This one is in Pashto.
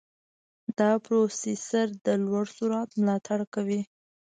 دا پروسېسر د لوړ سرعت ملاتړ کوي.